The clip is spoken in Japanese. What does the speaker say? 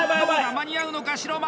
間に合うのか城間。